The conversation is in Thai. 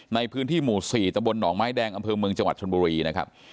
ในพื้นที่หมู่๔ตะบนหนองไม้แดงอำเภอเมืองจังหวัดชนบุรีนะครับ